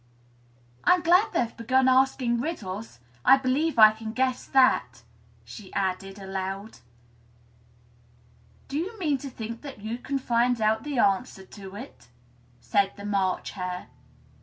"I'm glad they've begun asking riddles I believe I can guess that," she added aloud. "Do you mean that you think you can find out the answer to it?" said the March Hare.